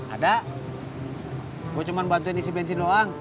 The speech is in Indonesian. ada gue cuma bantuin isi bensin doang